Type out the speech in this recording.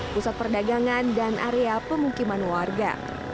pusat perdagangan dan area pemukiman warga